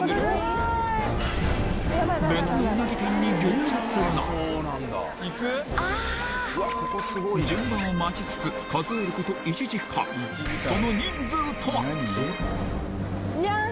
別のうなぎ店に行列が順番を待ちつつ数えること１時間そのジャン！